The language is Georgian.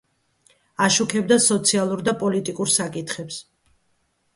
აშუქებდა სოციალურ და პოლიტიკურ საკითხებს.